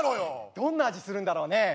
どんな味するんだろうね？